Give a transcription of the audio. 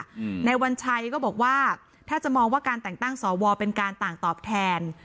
อืมในวันชัยก็บอกว่าถ้าจะมองว่าการแต่งตั้งสวเป็นการต่างตอบแทน